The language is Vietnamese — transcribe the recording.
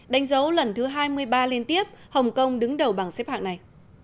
đánh dấu lần thứ hai mươi ba liên tiếp hồng kông đứng đầu bảng xếp hạng này